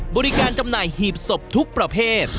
จำหน่ายหีบศพทุกประเภท